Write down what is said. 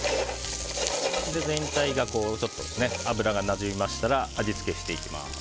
全体に油がなじみましたら味付けしていきます。